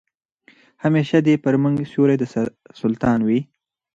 همېشه دي پر موږ سیوری د سلطان وي